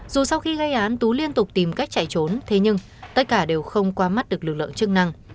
dù sau khi gây án tú liên tục tìm cách chạy trốn thế nhưng tất cả đều không qua mắt được lực lượng chức năng